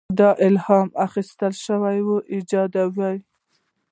دې ته الهام اخیستل شوی ایجاد وایي.